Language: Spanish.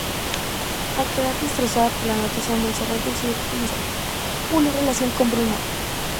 Al quedar destrozada por la noticia, Montserrat decide comenzar una nueva relación con Bruno.